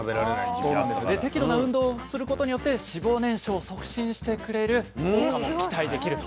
で適度な運動をすることによって脂肪燃焼を促進してくれる効果も期待できると。